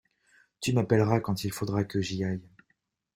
Tu m’appelleras quand il faudra que j’y aille.